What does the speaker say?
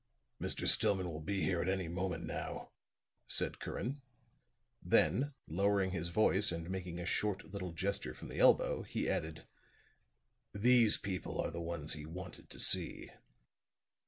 "Mr. Stillman will be here at any moment now," said Curran. Then lowering his voice and making a short little gesture from the elbow, he added: "These people are the ones he wanted to see."